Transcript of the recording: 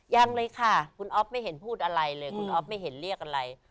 ยังเลยค่ะคุณอ๊อฟไม่เห็นพูดอะไรเลยคุณอ๊อฟไม่เห็นเรียกอะไร